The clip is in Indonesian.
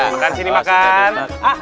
makan sini makan